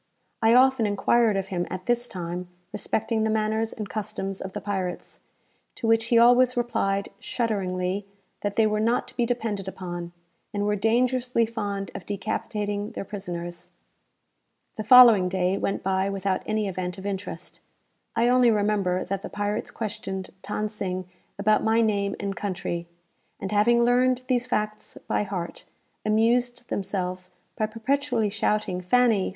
I often enquired of him, at this time, respecting the manners and customs of the pirates; to which he always replied, shudderingly, that they were not to be depended upon, and were dangerously fond of decapitating their prisoners. The following day went by without any event of interest. I only remember that the pirates questioned Than Sing about my name and country; and, having learned these facts by heart, amused themselves by perpetually shouting "Fanny!